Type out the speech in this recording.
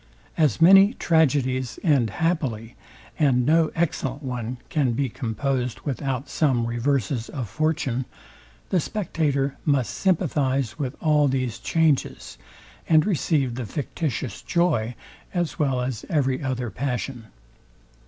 As many tragedies end happily, and no excellent one can be composed without some reverses of fortune, the spectator must sympathize with all these changes, and receive the fictitious joy as well as every other passion.